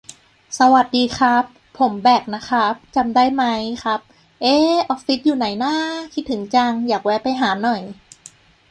สวัสดีครับ ผมแบ่คนะครับ จำได้มั๊ยครับ เอ๊ ออฟฟิศอยู่ไหนน้า คิดถึงจัง อยากแวะไปหาหน่อย